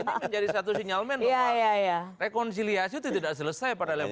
ini menjadi satu sinyalmen bahwa rekonsiliasi itu tidak selesai pada level